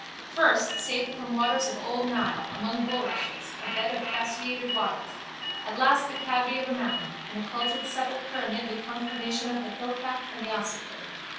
First, saved from waters of old Nile, among bulrushes, a bed of fasciated wattles: at last the cavity of a mountain, an occulted sepulchre amid the conclamation of the hillcat and the ossifrage.